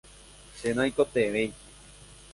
che naikotevẽi.